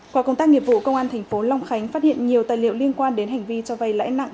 quả công tác nghiệp vụ công an tp long khánh phát hiện nhiều tài liệu liên quan đến hành vi cho vay lãi nặng